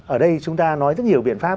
ở đây chúng ta nói rất nhiều biện pháp